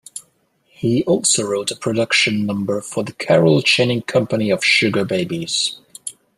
He also wrote a production number for the Carol Channing company of Sugar Babies.